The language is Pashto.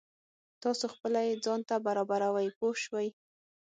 تاسو خپله یې ځان ته برابروئ پوه شوې!.